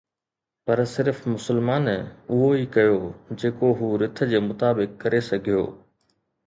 پر صرف مسلمان اهو ئي ڪيو جيڪو هو رٿ جي مطابق ڪري سگهيو